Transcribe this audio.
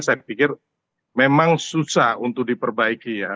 saya pikir memang susah untuk diperbaiki ya